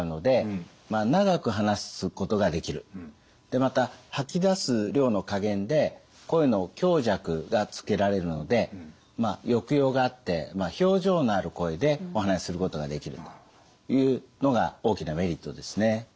でまた吐き出す量の加減で声の強弱がつけられるので抑揚があって表情のある声でお話しすることができるというのが大きなメリットですね。